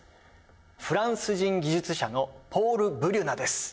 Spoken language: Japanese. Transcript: フランス人技術者のポール・ブリュナです。